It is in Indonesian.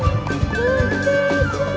untuk penuh cinta